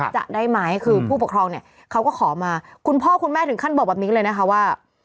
จะได้ไหมคือผู้ปกครองเนี่ยเขาก็ขอมาคุณพ่อคุณแม่ถึงขั้นบอกแบบนี้เลยนะคะว่า